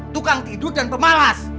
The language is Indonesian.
tukang tidur dan pemalas